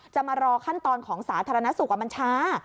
จะมารอขั้นตอนของสาธารณสุขมันช้า